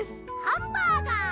ハンバーガー！